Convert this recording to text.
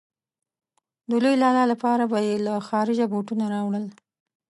د لوی لالا لپاره به يې له خارجه بوټونه راوړل.